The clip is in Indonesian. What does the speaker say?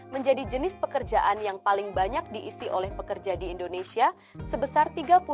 menjadi jenis pekerjaan yang paling banyak diisi oleh pekerja di indonesia sebesar tiga puluh enam